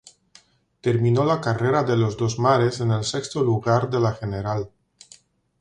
Terminó la carrera de los dos mares en el sexto lugar de la general.